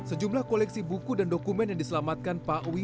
sejumlah koleksi buku dan dokumen yang diselamatkan pak wi